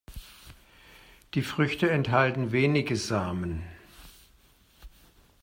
Die Früchte enthalten wenige Samen.